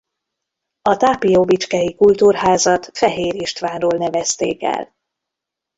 A tápióbicskei Kultúrházat Fehér Istvánról nevezték el.